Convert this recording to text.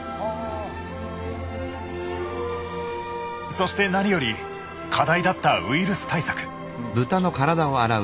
そして何より課題だったウイルス対策。